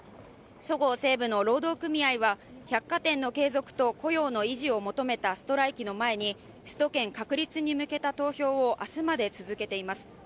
そごう・西武の労働組合は百貨店の継続と雇用の維持を求めたストライキの前にスト権確立に向けた投票を明日まで続けています。